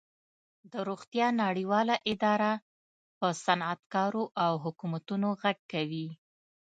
د روغتیا نړیواله اداره په صنعتکارو او حکومتونو غږ کوي